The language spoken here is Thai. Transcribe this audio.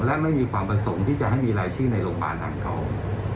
และไม่มีความประสงค์ที่จะให้มีรายชื่อในโรงพยาบาลอ่างทอง